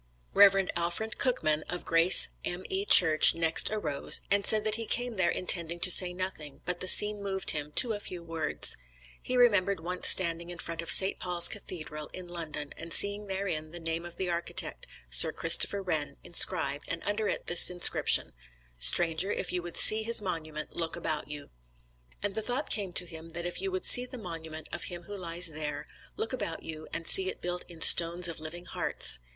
Rev. Alfred Cookman, of Grace M.E. Church, next arose, and said that he came there intending to say nothing, but the scene moved him to a few words. He remembered once standing in front of St. Paul's Cathedral, in London, and seeing therein the name of the architect, Sir Christopher Wren, inscribed, and under it this inscription: "Stranger, if you would see his monument look about you." And the thought came to him that if you would see the monument of him who lies there, look about you and see it built in stones of living hearts.